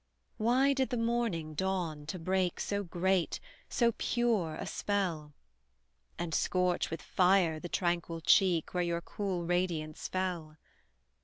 Why did the morning dawn to break So great, so pure, a spell; And scorch with fire the tranquil cheek, Where your cool radiance fell?